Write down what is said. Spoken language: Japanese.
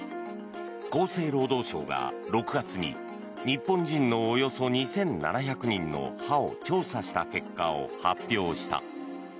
厚生労働省が６月に日本人のおよそ２７００人の歯を調査した結果を発表した。